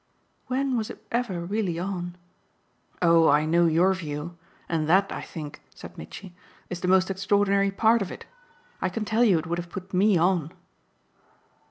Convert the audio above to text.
"When was it ever really on?" "Oh I know your view, and that, I think," said Mitchy, "is the most extraordinary part of it. I can tell you it would have put ME on."